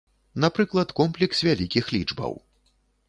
Напрыклад, комплекс вялікіх лічбаў.